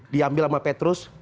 diambil sama petrus